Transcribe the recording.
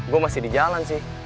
gue masih di jalan sih